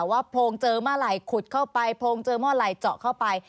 โพรงเจอเมื่อไหร่ขุดเข้าไปโพรงเจอเมื่อไหร่เจาะเข้าไป